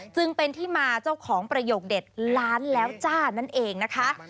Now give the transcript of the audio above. จึงเป็นที่มาเจ้าของประโยคเด็ดล้านแล้วจ้านั่นเองนะคะ